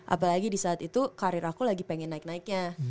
apalagi di saat itu karir aku lagi pengen naik naiknya